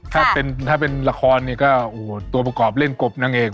ถ้าเป็นละครก็เป็นตัวประกอบเล่นกบนางเอก